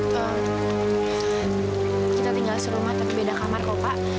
kita tinggal serumah tapi beda kamar kok pak